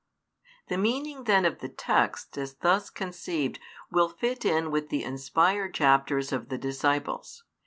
The meaning then of the text as thus conceived will fit in with the inspired chapters of the disciples.